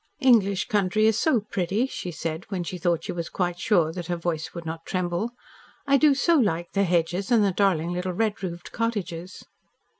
"English country is so pretty," she said, when she thought she was quite sure that her voice would not tremble. "I do so like the hedges and the darling little red roofed cottages."